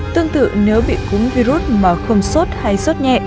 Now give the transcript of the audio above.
tương tự nếu bị cúm virus mà không sốt hay sốt nhẹ